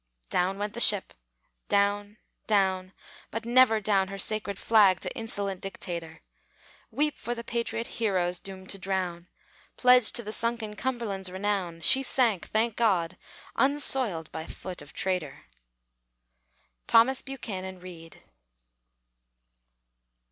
Down went the ship! Down, down; but never down Her sacred flag to insolent dictator. Weep for the patriot heroes, doomed to drown; Pledge to the sunken Cumberland's renown. She sank, thank God! unsoiled by foot of traitor! THOMAS BUCHANAN READ.